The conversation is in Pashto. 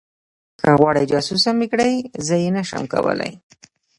که غواړې جاسوسه مې کړي زه یې نشم کولی